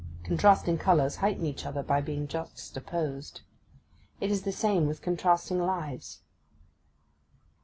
Contrasting colours heighten each other by being juxtaposed; it is the same with contrasting lives.